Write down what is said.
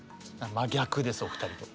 真逆ですお二人と。